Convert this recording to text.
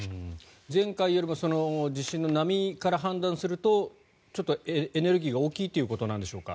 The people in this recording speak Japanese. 前回よりも地震の波から判断するとちょっとエネルギーが大きいということでしょうか？